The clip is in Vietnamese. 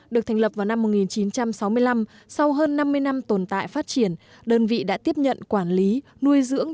được thành lập vào năm một nghìn chín trăm sáu mươi năm sau hơn năm mươi năm tồn tại phát triển đơn vị đã tiếp nhận quản lý nuôi dưỡng